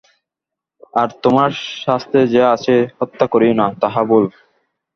আর তোমার শাস্ত্রে যে আছে, হত্যা করিও না, তাহা ভুল।